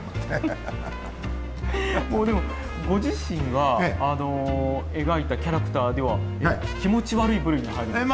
もうでもご自身は描いたキャラクターでは気持ち悪い部類には入るんですね。